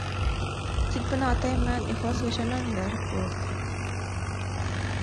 Тик бына атайым менән ихлас йәшәмәнеләр кеүек...